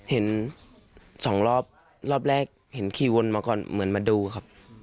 เห็นสองรอบรอบแรกเห็นขี่วนมาก่อนเหมือนมาดูครับ